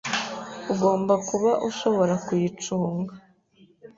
Ugomba kuba ushobora kuyicunga.